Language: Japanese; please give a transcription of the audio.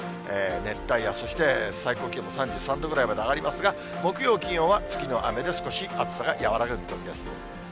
熱帯夜、そして最高気温も３３度ぐらいまで上がりますが、木曜、金曜は次の雨で少し暑さが和らぐ見込みです。